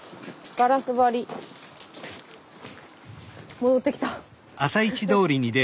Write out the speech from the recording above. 戻ってきた。